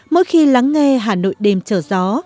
mỗi khi lắng nghe hà nội đêm trở gió